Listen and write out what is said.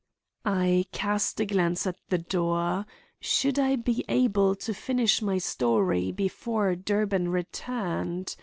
I cast a glance at the door. Should I be able to finish my story before Durbin returned?